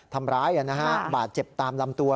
ทำร้ายอันนี้นะฮะบาดเจ็บตามลำตัว